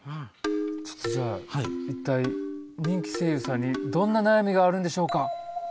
ちょっとじゃあ一体人気声優さんにどんな悩みがあるんでしょうか？